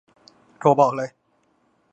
โทรบอกเลย